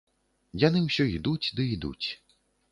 Яны ўсё ідуць ды ідуць.